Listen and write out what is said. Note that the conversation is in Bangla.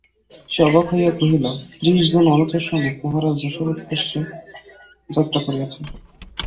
সে অবাক হইয়া কহিল, ত্রিশ জন অনুচর সমেত মহারাজ যশোর উদ্দেশে যাত্রা করিয়াছেন।